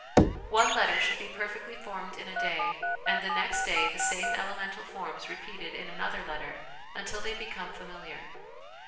One letter should be perfectly formed in a day and the next day the same elemental forms repeated in another letter, until they become familiar.